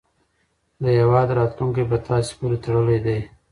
د هیواد راتلونکی په تاسې پورې تړلی دی.